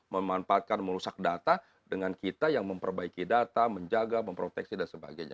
memanfaatkan merusak data dengan kita yang memperbaiki data menjaga memproteksi dan sebagainya